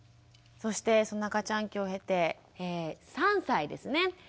そしてその赤ちゃん期を経て３歳ですね。